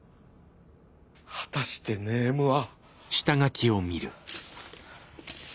果たしてネームは。